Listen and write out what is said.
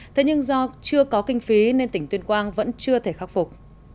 thế nhưng do chưa có kinh phí nên tỉnh tuyên quang vẫn chưa thể khắc phục